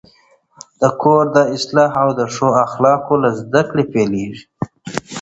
د کور اصلاح د ښو اخلاقو له زده کړې پیلېږي.